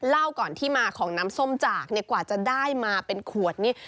เล่าก่อนที่มาของน้ำส้มจากเนี่ยกว่าจะได้มาเป็นขวดนี่